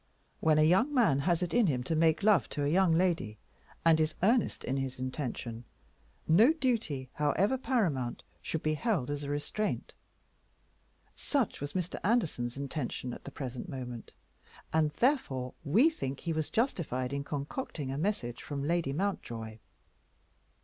When a young man has it in him to make love to a young lady, and is earnest in his intention, no duty, however paramount, should be held as a restraint. Such was Mr. Anderson's intention at the present moment; and therefore we think that he was justified in concocting a message from Lady Mountjoy.